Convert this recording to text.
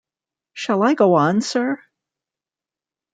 Shall I go on, sir?